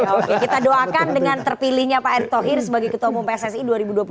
oke kita doakan dengan terpilihnya pak erik thohir sebagai ketua umum pssi dua ribu dua puluh tiga dua ribu dua puluh tujuh